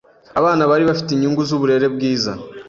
Abana bari bafite inyungu zuburere bwiza.